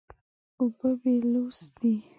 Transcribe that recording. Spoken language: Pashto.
اوبه بېلوث دي.